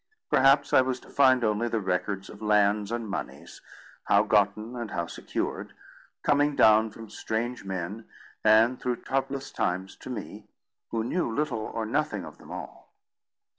Perhaps I was to find only the records of lands and moneys, how gotten and how secured; coming down from strange men, and through troublous times, to me, who knew little or nothing of them all.